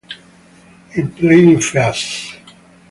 In planning phase.